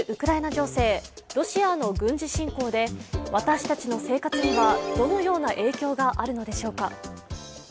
ロシアの軍事侵攻で私たちの生活にはどのような影響があるのでしょうか。